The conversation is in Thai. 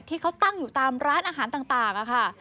ที่เขาตั้งอยู่ตามร้านอาหารต่างค่ะ